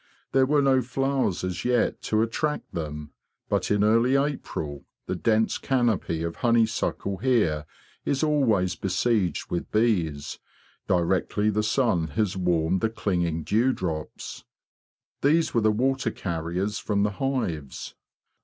There were no flowers as yet to attract them, but in early April the dense canopy of honey suckle here is always besieged with bees, directly the sun has warmed the clinging dewdrops. These were the water carriers from the hives.